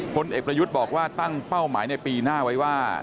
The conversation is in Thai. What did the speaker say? ผลเอกประยุทธ์บอกว่าตั้งเป้าหมายในปีหน้าไว้ว่า